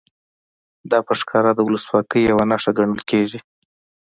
دا په ښکاره د ولسواکۍ یوه نښه ګڼل کېږي.